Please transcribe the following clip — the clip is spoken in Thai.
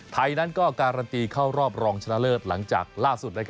ไทยนั้นก็การันตีเข้ารอบรองชนะเลิศหลังจากล่าสุด